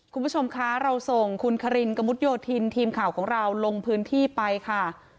คุณผู้ชมคะเราส่งคุณคารินกระมุดโยธินทีมข่าวของเราลงพื้นที่ไปค่ะ